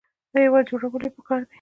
هیواد جوړول ولې پکار دي؟